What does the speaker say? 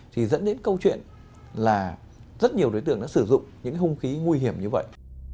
thì dẫn đến câu chuyện là rất nhiều đối tượng đã sử dụng những hung khí nguy hiểm như vậy